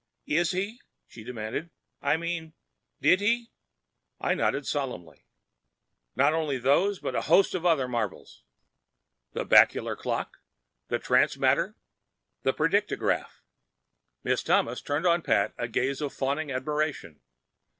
"Is he?" she demanded. "I mean—did he?" I nodded solemnly. "Not only those, but a host of other marvels. The bacular clock, the transmatter, the predictograph—" Miss Thomas turned on Pat a gaze of fawning admiration.